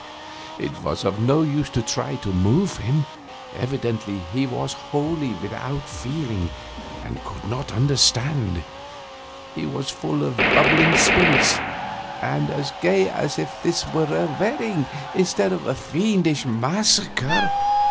It was of no use to try to move him; evidently he was wholly without feelings, and could not understand. He was full of bubbling spirits, and as gay as if this were a wedding instead of a fiendish massacre.